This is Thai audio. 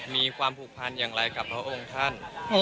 มีความผูกพันอย่างไรกับพระองค์ท่าน